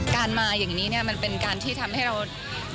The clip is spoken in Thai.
การมาอย่างนี้เนี่ยมันเป็นการที่ทำให้เรา